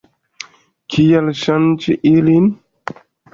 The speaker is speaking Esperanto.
Kial ŝanĝi ilin?